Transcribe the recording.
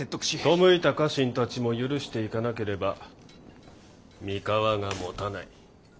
背いた家臣たちも許していかなければ三河がもたない。